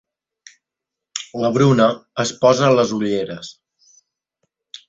La Bruna es posa les ulleres.